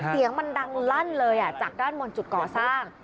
เสียงมันดังลั่นเลยจากด้านบนจุดก่อสร้าง